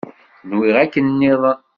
Nwiɣ akken nniḍen.